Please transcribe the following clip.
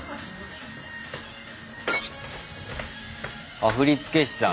あっ振付師さん。